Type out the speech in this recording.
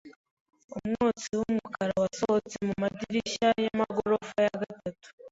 Umwotsi wumukara wasohotse mumadirishya yamagorofa ya gatatu.